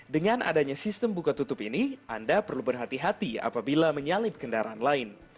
dengan adanya sistem buka tutup ini anda perlu berhati hati apabila menyalip kendaraan lain